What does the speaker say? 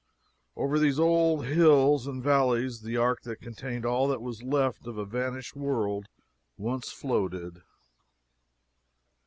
] Over these old hills and valleys the ark that contained all that was left of a vanished world once floated.